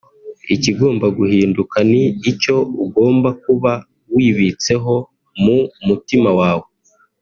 “Ikigomba guhinduka ni icyo ugomba kuba wibitseho mu mutima wawe